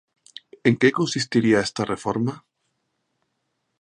En que consistiría esta reforma?